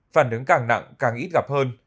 phản ứng càng nặng càng ít gặp hơn